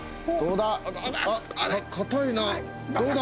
どうだ？